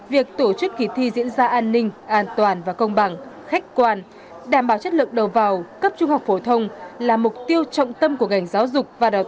việc tổ chức kỳ thi diễn ra an ninh an toàn và công bằng khách quan đảm bảo chất lượng đầu vào cấp trung học phổ thông là mục tiêu trọng tâm của ngành giáo dục và đào tạo